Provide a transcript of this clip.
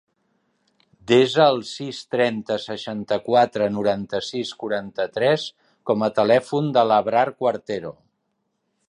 Desa el sis, trenta, seixanta-quatre, noranta-sis, quaranta-tres com a telèfon de l'Abrar Cuartero.